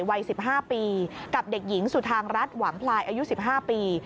วัย๑๕ปีกับเด็กหญิงสุธางรัฐหวังพลายอายุ๑๕ปี